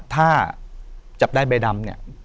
ถ้าจับได้ใบดำเนี่ย